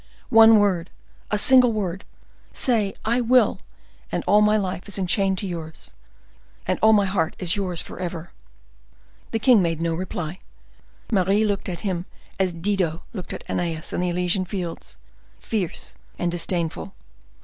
One word, a single word! Say 'I will!' and all my life is enchained to yours, and all my heart is yours forever." The king made no reply. Mary then looked at him as Dido looked at Aeneas in the Elysian fields, fierce and disdainful.